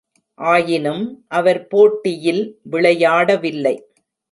ஆயினும், அவர் போட்டியில் விளையாடவில்லை.